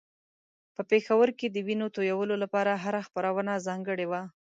په پېښور کې د وينو تویولو لپاره هره خپرونه ځانګړې وه.